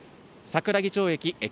桜木町駅